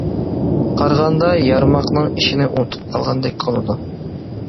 قارىغاندا يارماقنىڭ ئىشىنى ئۇنتۇپ قالغاندەك قىلىدۇ.